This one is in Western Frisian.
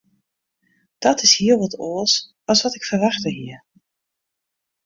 Dat is hiel wat oars as wat ik ferwachte hie.